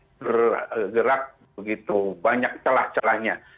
bergerak begitu banyak celah celahnya